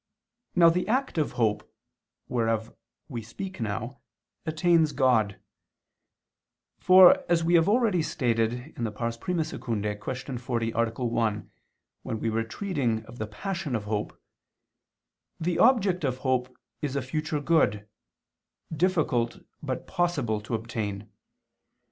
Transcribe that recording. Now the act of hope, whereof we speak now, attains God. For, as we have already stated (I II, Q. 40, A. 1), when we were treating of the passion of hope, the object of hope is a future good, difficult but possible to obtain.